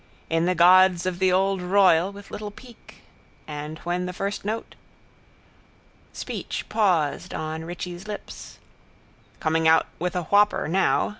In the gods of the old Royal with little Peake. And when the first note. Speech paused on Richie's lips. Coming out with a whopper now.